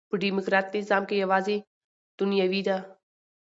په ډيموکراټ نظام کښي یوازي دنیوي ده.